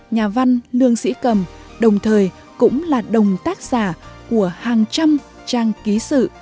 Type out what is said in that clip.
nhà văn lương sĩ cầm đồng thời cũng là đồng tác giả của hàng trăm trang ký sự